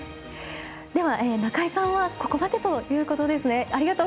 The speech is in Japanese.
中井さんはここまでということですね。